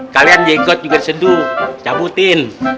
kalian jenggot juga diseduh cabutin